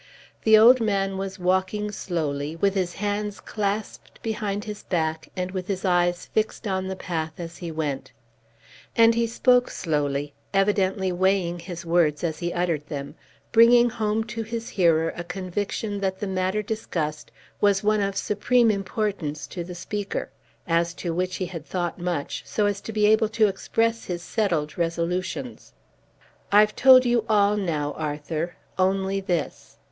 The old man was walking slowly, with his hands clasped behind his back and with his eyes fixed on the path as he went; and he spoke slowly, evidently weighing his words as he uttered them, bringing home to his hearer a conviction that the matter discussed was one of supreme importance to the speaker, as to which he had thought much, so as to be able to express his settled resolutions. "I've told you all now, Arthur; only this.